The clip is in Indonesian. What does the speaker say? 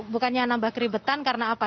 bukannya nambah keribetan karena apa